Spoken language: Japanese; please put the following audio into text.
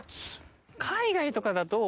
海外とかだと。